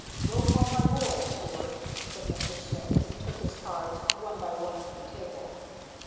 "Go call my boy, steward," said Mr. Smith, as he took his cards one by one from the table.